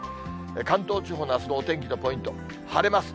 関東地方のあすのお天気のポイント、晴れます。